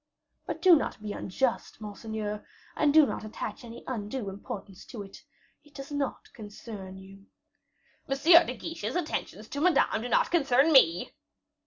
But do not be unjust, monseigneur, and do not attach any undue importance to it. It does not concern you." "M. de Guiche's attentions to Madame do not concern me?"